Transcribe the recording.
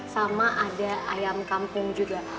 sama ada ayam kampung juga